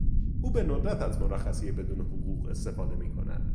او به ندرت از مرخصی بدون حقوق استفاده میکند.